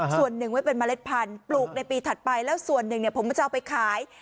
ส่วนหนึ่งไว้เป็นเมล็ดพันธุ์ปลูกในปีถัดไปแล้วส่วนหนึ่งผมก็จะเอาไปขาย